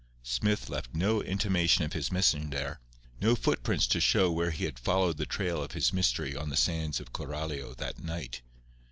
Smith left no intimation of his mission there, no footprints to show where he had followed the trail of his mystery on the sands of Coralio that night.